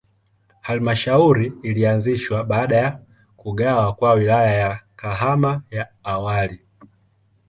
Halmashauri ilianzishwa baada ya kugawa kwa Wilaya ya Kahama ya awali.